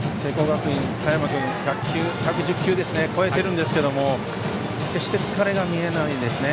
学院佐山君、１１０球超えているんですけども決して疲れが見えないですね。